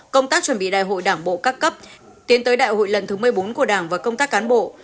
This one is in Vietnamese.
công tác chuẩn bị đại hội đảng bộ các cấp tiến tới đại hội lần thứ một mươi bốn của đảng và công tác cán bộ